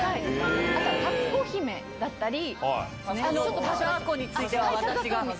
あと、たつこ姫だったり、ちょっと田沢湖について私が。